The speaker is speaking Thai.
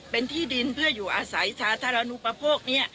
เป็นที่ดินเพื่ออยู่อาศัยสาธารณูปโภค